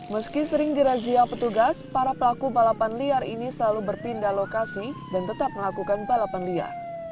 meski sering dirazia petugas para pelaku balapan liar ini selalu berpindah lokasi dan tetap melakukan balapan liar